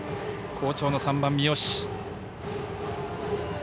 好調の３番、三好。